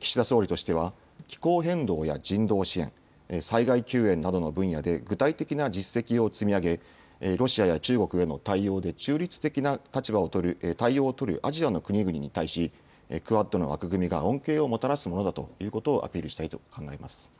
岸田総理としては気候変動や人道支援、災害救援などの分野で具体的な実績を積み上げ、ロシアや中国への対応で中立的な対応を取るアジアの国々に対しクアッドの枠組みが恩恵をもたらすものだということをアピールしたい考えです。